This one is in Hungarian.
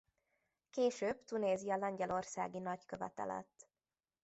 Később Tunézia lengyelországi nagykövete lett.